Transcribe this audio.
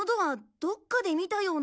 どっかで見たような。